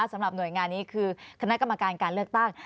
สำหรับหน่วยงานนี้คือคณะกรรมการการเลือกตั้ง